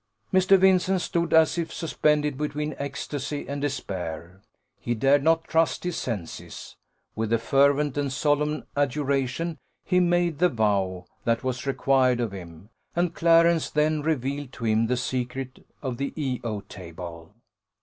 Mr. Vincent stood as if suspended between ecstasy and despair: he dared not trust his senses: with a fervent and solemn adjuration he made the vow that was required of him; and Clarence then revealed to him the secret of the E O table.